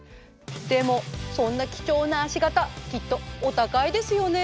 でもそんな貴重な足型きっとお高いですよね？